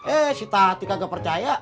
eh si tati kagak percaya